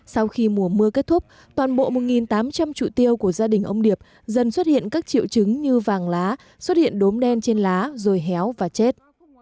sau khi mùa mưa kết thúc toàn bộ một tám trăm linh trụ tiêu của gia đình ông điệp dần xuất hiện các triệu chứng như vàng lá xuất hiện đốm đen trên lá rồi héo và chết